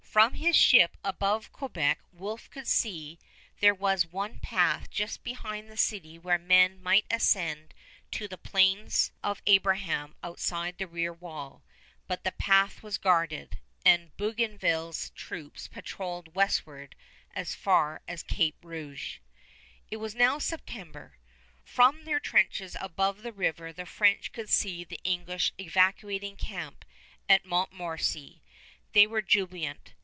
From his ship above Quebec Wolfe could see there was one path just behind the city where men might ascend to the Plains of Abraham outside the rear wall, but the path was guarded, and Bougainville's troops patrolled westward as far as Cape Rouge. [Illustration: LOUIS JOSEPH, MARQUIS DE MONTCALM] It was now September. From their trenches above the river the French could see the English evacuating camp at Montmorency. They were jubilant.